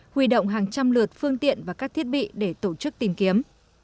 huy động hàng trăm lượt phương tiện và các thiết bị để tổ chức tìm kiếm